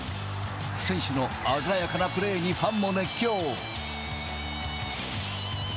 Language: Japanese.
選手の鮮やかなプレーにファンも熱狂。